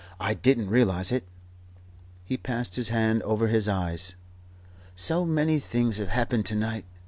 I didn't realize it." He passed his hand over his eyes. "So many things have happened to night.